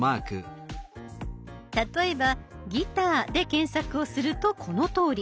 例えば「ギター」で検索をするとこのとおり。